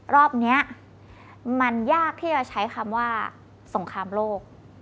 รอบนี้มันยากที่จะใช้คำว่าสงครามโลก